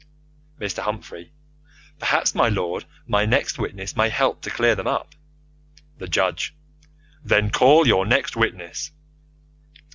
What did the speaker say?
Mr. Humphrey: Perhaps, my lord, my next witness may help to clear them up. The Judge: Then call your next witness.